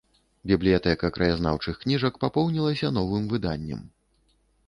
Бібліятэка краязнаўчых кніжак папоўнілася новым выданнем.